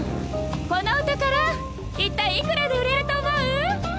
このお宝一体幾らで売れると思う？